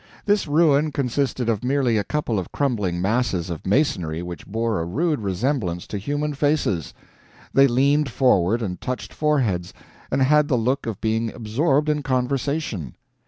This ruin consisted of merely a couple of crumbling masses of masonry which bore a rude resemblance to human faces; they leaned forward and touched foreheads, and had the look of being absorbed in conversation.